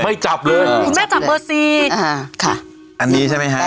ไม่จับเลย